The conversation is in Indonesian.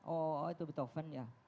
oh itu beethoven ya